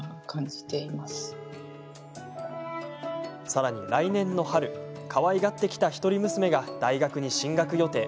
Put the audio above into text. さらに、来年の春かわいがってきた一人娘が大学に進学予定。